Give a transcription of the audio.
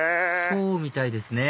そうみたいですね